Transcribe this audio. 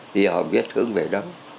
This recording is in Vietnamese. thì họ biết hướng về đâu